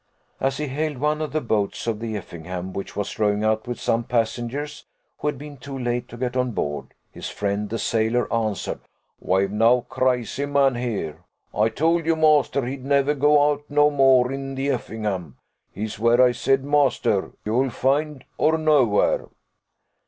As he hailed one of the boats of the Effingham, which was rowing out with some passengers, who had been too late to get on board, his friend the sailor answered, "We've no crazy man here: I told you, master, he'd never go out no more in the Effingham. He's where I said, master, you'll find, or nowhere."